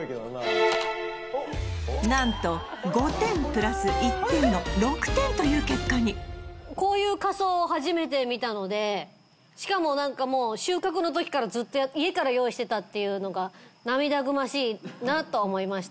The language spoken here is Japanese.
なんと５点＋１点の６点という結果にこういうしかも何かもう収穫のときからずっと家から用意してたっていうのが涙ぐましいなと思いました